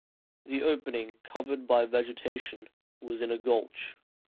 The opening, covered by vegetation, was in a gulch.